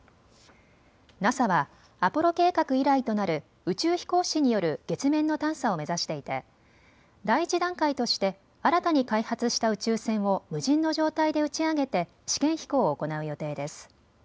ＮＡＳＡはアポロ計画以来となる宇宙飛行士による月面の探査を目指していて第１段階として新たに開発した宇宙船を無人の状態で打ち上げて試験飛行を行う予定です。